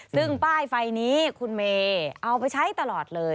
ซึ่งป้ายไฟนี้คุณเมย์เอาไปใช้ตลอดเลย